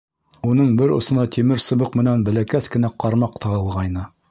Уның бер осона тимер сыбыҡ менән бәләкәс кенә ҡармаҡ тағылғайны.